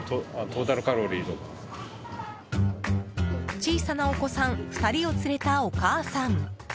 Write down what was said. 小さなお子さん２人を連れたお母さん。